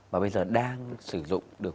và bây giờ đang sử dụng được